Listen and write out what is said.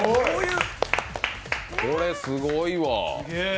これ、すごいわ。